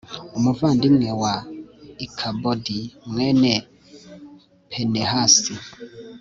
umuvandimwe wa ikabodi mwene pinehasi